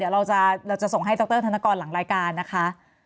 เดี๋ยวเราจะส่งให้ดรธนกรหลังรายการนะคะ